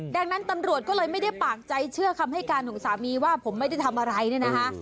ดังนั้นตำรวจก็เลยไม่ได้ปากใจเชื่อคำให้การของสามีว่าผมไม่ได้ทำอะไรเนี่ยนะคะ